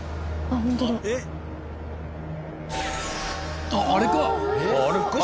あっあれか！